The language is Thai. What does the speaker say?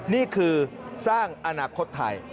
นี่คือสร้างอนาคตไทย